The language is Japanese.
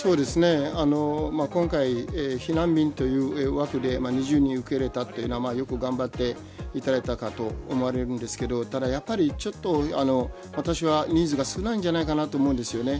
今回、避難民という枠で２０人を受け入れたというのはよく頑張っていただいたかと思われるんですがただやっぱりちょっと私は人数が少ないんじゃないかなと思うんです。